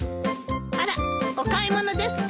あらっお買い物ですか？